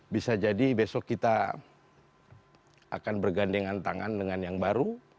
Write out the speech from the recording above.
bisa jadi besok kita akan bergandengan tangan dengan yang baru